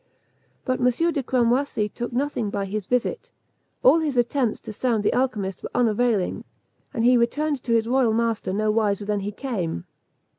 But M. de Cramoisi took nothing by his visit; all his attempts to sound the alchymist were unavailing, and he returned to his royal master no wiser than he came.